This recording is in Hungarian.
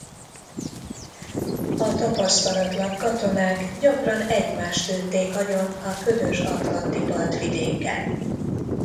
A tapasztalatlan katonák gyakran egymást lőtték agyon a ködös atlanti partvidéken.